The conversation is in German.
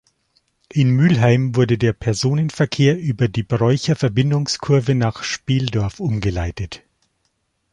In Mülheim wurde der Personenverkehr über die Broicher Verbindungskurve nach Speldorf umgeleitet.